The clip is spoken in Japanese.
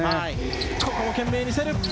ここも懸命に競る。